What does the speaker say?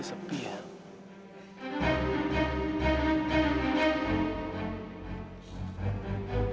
subuh dia bilang bisik